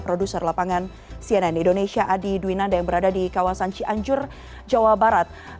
produser lapangan cnn indonesia adi dwinanda yang berada di kawasan cianjur jawa barat